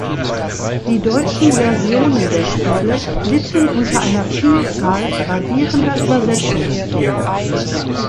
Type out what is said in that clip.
Die deutschen Versionen der Spiele litten unter einer Vielzahl gravierender Übersetzungsfehler.